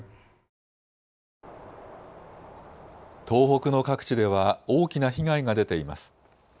東北の各地では大きな被害が出ています。